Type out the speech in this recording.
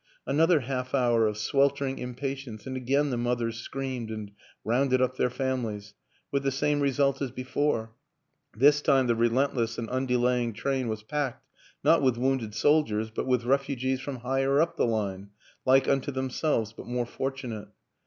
Another half hour of sweltering im patience and again the mothers screamed and rounded up their families, with the same result as before; this time the relentless and undelaying train was packed, not with wounded soldiers, but with refugees from higher up the line like unto themselves but more fortunate.